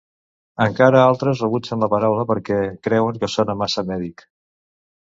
Encara altres rebutgen la paraula perquè creuen que sona massa mèdic.